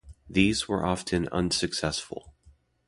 These were often unsuccessful.